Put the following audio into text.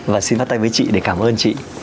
và xin bắt tay với chị để cảm ơn chị